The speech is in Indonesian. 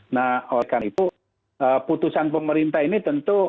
nah oleh karena itu putusan pemerintah ini tentu